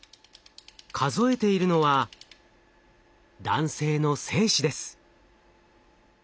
数えているのは男性の精子です。